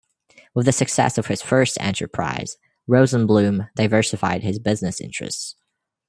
With the success of his first enterprise, Rosenbloom diversified his business interests.